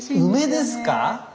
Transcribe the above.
あ梅ですか？